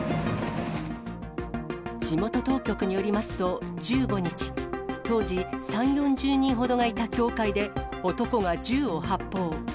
地元当局によりますと、１５日、当時、３、４０人ほどがいた教会で、男が銃を発砲。